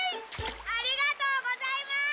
ありがとうございます！